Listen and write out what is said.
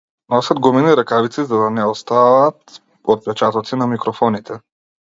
Носат гумени ракавици за да не оставаат отпечатоци на микрофоните.